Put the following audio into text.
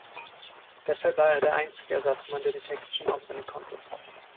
Deshalb war er der einzige Ersatzmann, der die Texte schon auswendig konnte.